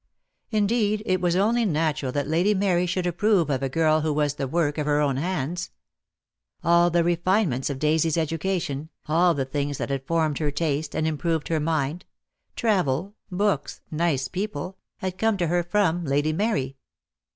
Indeed, it was only natural that Lady Mary should approve of a girl who was the work of her own hands. All the refinements of Daisy's education, all the things that had formed her taste and improved her mind — travel, books, nice people — had come to her from Lady Mary.